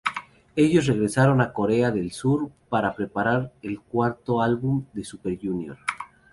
Ellos regresaron a Corea del Sur para preparar el cuarto álbum de Super Junior.